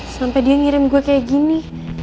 sampai dia ngirim gue kayak gini